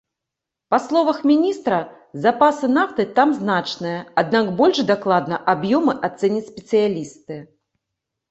Па словах міністра, запасы нафты там значныя, аднак больш дакладна аб'ёмы ацэняць спецыялісты.